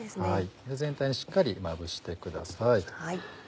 全体にしっかりまぶしてください。